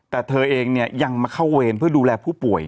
แต่เธอเองเนี่ยยังมาเข้าเวรเพื่อดูแลผู้ป่วย